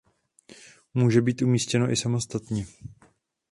Může být umístěno i samostatně.